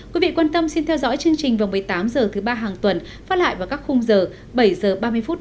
quý vị quan tâm xin theo dõi chương trình vào một mươi tám h thứ ba hàng tuần phát lại vào các khung giờ bảy h ba mươi phút